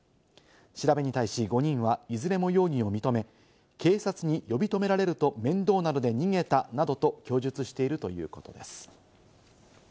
調べに対し、５人はいずれも容疑を認め、警察に呼び止められると面倒なので逃げた、などと供述しているということです。